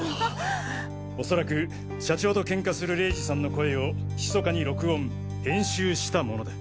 恐らく社長とけんかする玲二さんの声をひそかに録音編集したものだ。